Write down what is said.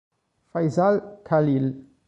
Faisal Khalil